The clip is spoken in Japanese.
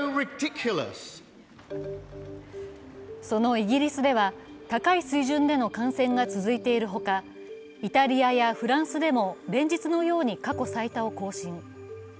そのイギリスでは、高い水準での感染が続いているほかイタリアやフランスでも連日のように過去最多を更新。